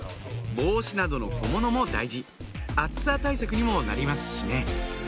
帽子などの小物も大事暑さ対策にもなりますしね